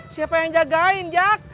siapa yang jagain jak